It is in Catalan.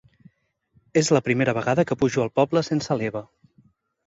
És la primera vegada que pujo al poble sense l'Eva.